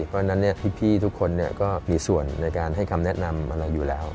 เพราะฉะนั้นพี่ทุกคนก็มีส่วนในการให้คำแนะนำอะไรอยู่แล้ว